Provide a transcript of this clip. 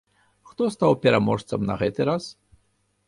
Хто стаў пераможцам на гэты раз?